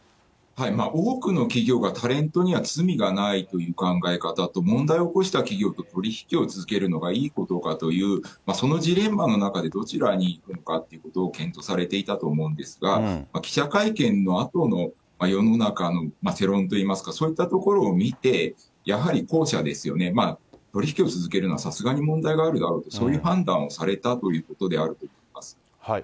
多くの企業がタレントには罪がないという考え方と、問題を起こした企業と取り引きを続けるのがいいことかという、そのジレンマの中で、どちらにいくのかというのを検討されていたと思うんですが、記者会見のあとの世の中の世論といいますか、そういったところを見て、やはり後者ですよね、取り引きを続けるのは、さすがに問題があるだろうと、そういう判断をされたということであると思います。